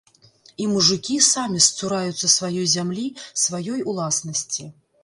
І мужыкі самі сцураюцца сваёй зямлі, сваёй уласнасці.